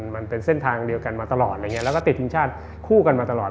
มันเป็นเส้นทางเดียวกันมาตลอดแล้วก็ติดทิ้งชาติคู่กันมาตลอด